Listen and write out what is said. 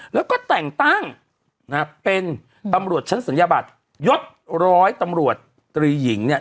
แล้วก็แต่งตั้งนะฮะเป็นตำรวจชั้นศัลยบัตรยศร้อยตำรวจตรีหญิงเนี่ย